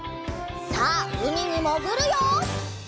さあうみにもぐるよ！